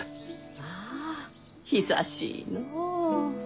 ああ久しいのう。